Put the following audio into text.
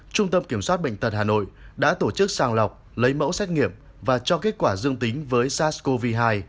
trung tâm kiểm soát bệnh tật hà nội đã tổ chức sàng lọc lấy mẫu xét nghiệm và cho kết quả dương tính với sars cov hai